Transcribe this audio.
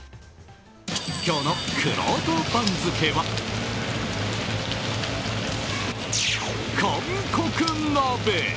今日のくろうと番付は韓国鍋！